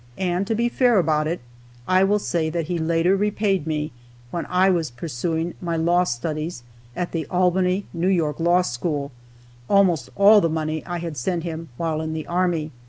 And, to be fair about it, I will say that he later repaid me, when I was pursuing my law studies at the Albany, New York, Law School, almost all the money I had sent him while in the army.